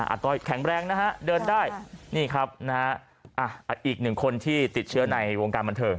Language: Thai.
ต้อยแข็งแรงนะฮะเดินได้นี่ครับนะฮะอีกหนึ่งคนที่ติดเชื้อในวงการบันเทิง